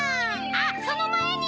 あっそのまえに！